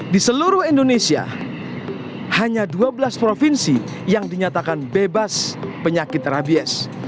di seluruh indonesia hanya dua belas provinsi yang dinyatakan bebas penyakit rabies